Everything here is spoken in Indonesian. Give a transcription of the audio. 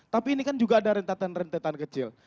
tapi ini kan juga ada rentetan rentetan kecil